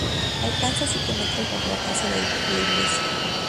Alcanza a siete metros bajo la plaza de la Iglesia.